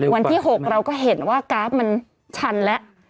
วันที่๖เราก็เห็นว่ากราฟมันชันแล้ว